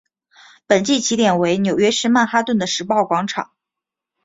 本季起点为纽约市曼哈顿的时报广场。